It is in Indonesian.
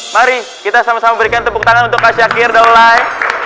mari kita sama sama berikan tepuk tangan untuk kak syakir daulay